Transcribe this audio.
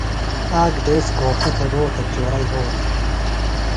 آک دیس گھوݜٹہ تھےۡ روتہ چورہ یھولہ۔